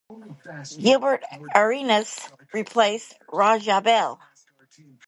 Gilbert Arenas replaced Raja Bell.